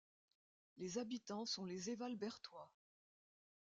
Les habitants sont les Évalbertois.